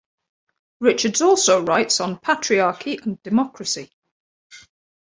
Richards also writes on patriarchy and democracy.